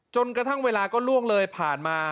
จนกระทั่งเวลาก็ล่วงเลยผ่านมา